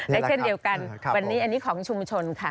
และเช่นเดียวกันวันนี้อันนี้ของชุมชนค่ะ